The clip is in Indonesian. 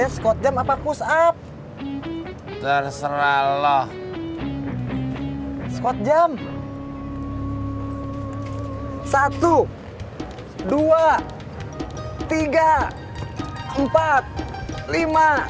sepertinya bos denger ngundah gulana